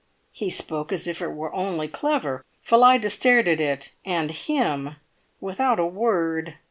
He spoke as if it were only clever! Phillida stared at it and him without a word.